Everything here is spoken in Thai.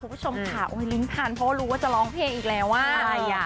คุณผู้ชมค่ะโอ้ยลิ้นพันเพราะว่ารู้ว่าจะร้องเพลงอีกแล้วอ่ะ